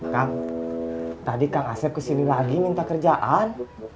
kamu tadi kak asep ke sini lagi minta kerjaan